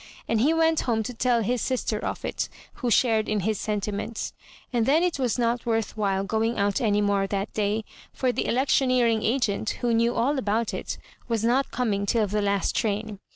And he went home to tell his sister of it, who shared in his sentiments. And then it was not worth while going out any more that day — for the electioneering agent, who knew all about it, was not coming till the last train.